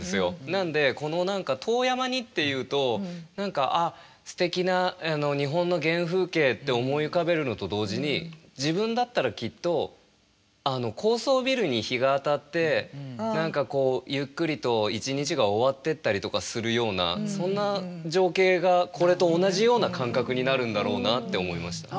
なのでこの何か「遠山に」っていうと何かすてきな日本の原風景って思い浮かべるのと同時に自分だったらきっと高層ビルに日が当たって何かこうゆっくりと一日が終わってったりとかするようなそんな情景がこれと同じような感覚になるんだろうなって思いました。